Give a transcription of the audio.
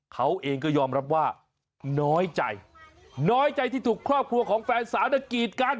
เขาเองก็ยอมรับว่าน้อยใจน้อยใจที่ถูกครอบครัวของแฟนสาวน่ะกีดกัน